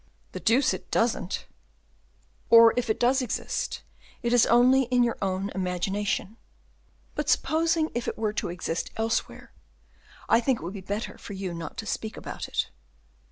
"The deuce it doesn't." "Or, if it does exist, it is only in your own imagination; but, supposing it were to exist elsewhere, I think it would be better for you not to speak of about it."